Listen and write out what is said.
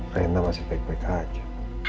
karena masih baik baik aja